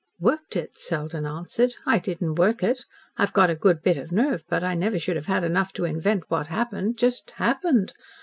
"Worked it!" Selden answered. "I didn't work it. I've got a good bit of nerve, but I never should have had enough to invent what happened just HAPPENED.